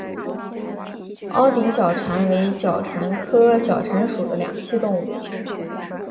凹顶角蟾为角蟾科角蟾属的两栖动物。